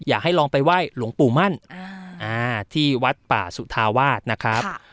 อยากให้ลองไปไหว้หลวงปู่มั่นที่วัดป่าสุธาวาสนะครับ